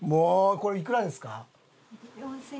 これいくらですか？